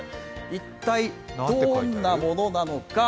一体どんなものなのか。